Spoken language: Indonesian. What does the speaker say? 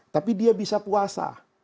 tapi dia bisa puasa